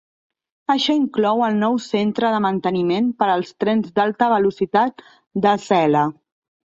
Això inclou el nou centre de manteniment per als trens d'alta velocitat d'Acela.